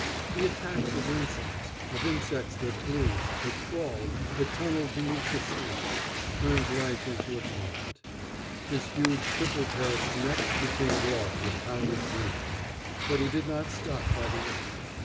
The attacks of insects, of insects that flew, that crawled, that tunneled beneath the skin, turned life into a torment. His huge triple terraced neck became raw with countless wounds. But he did not stop by the way.